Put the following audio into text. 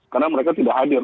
karena mereka tidak hadir